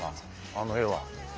あの絵は。